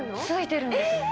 付いてるんです。